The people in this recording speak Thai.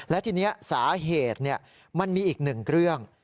และทีนี้สาเหตุมันมีอีกหนึ่งเรื่อง